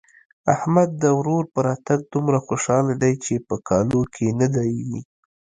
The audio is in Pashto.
احمد د ورور په راتګ دومره خوشاله دی چې په کالو کې نه ځايېږي.